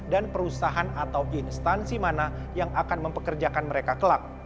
dan perusahaan atau instansi mana yang akan mempekerjakan mereka kelak